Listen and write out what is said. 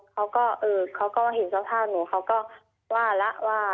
เค้าก็เห็นสภาพหนูเค้าก็ว่า